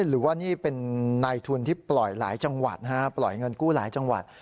หรือว่านี่เป็นในทุนที่ปล่อยหลายจังหวัดปล่อยเงินกู้หลายจังหวัด